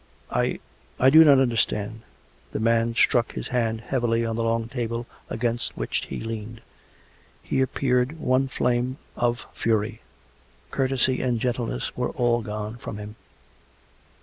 " I ... I do not understand." The man struck his hand heavily on the long table against which he leaned. He appeared one flame of fury; courtesy and gentleness were all gone from him.